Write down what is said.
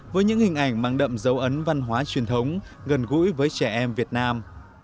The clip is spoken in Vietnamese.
với những hình ảnh mang đậm dấu ấn văn hóa truyền thống gần gũi với trẻ em việt nam